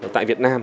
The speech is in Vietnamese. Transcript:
tại việt nam